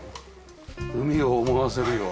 海を思わせるようだ。